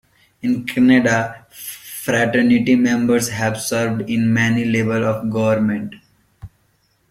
In Canada, fraternity members have served in many levels of government.